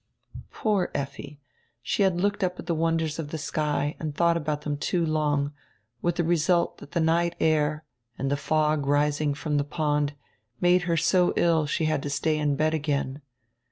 Poor Effi! She had looked up at the wonders of die sky and diought about diem too long, with die result diat die night air, and die fog rising from die pond, made her so ill she had to stay in bed again.